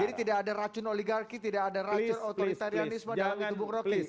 jadi tidak ada racun oligarki tidak ada racun otoritarianisme dalam hidup bu rocky